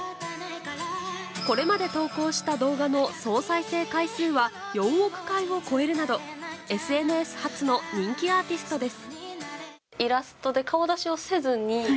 これまで投稿した動画の総再生回数は４億回を超えるなどＳＮＳ発の人気アーティストです。